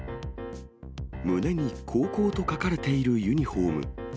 胸に高校と書かれているユニホーム。